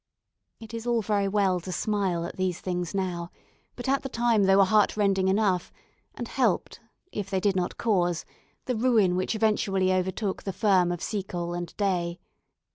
It is all very well to smile at these things now, but at the time they were heartrending enough, and helped, if they did not cause, the ruin which eventually overtook the firm of Seacole and Day.